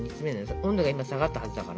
温度が今下がったはずだから。